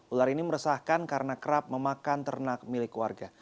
ular ini meresahkan karena kerap memakan ternak milik warga